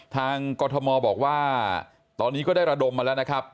กรทมบอกว่าตอนนี้ก็ได้ระดมมาแล้วนะครับ